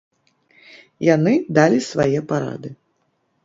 Яны далі свае парады.